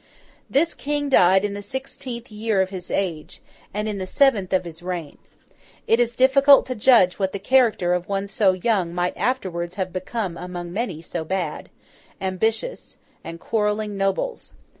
This King died in the sixteenth year of his age, and in the seventh of his reign. It is difficult to judge what the character of one so young might afterwards have become among so many bad, ambitious, quarrelling nobles.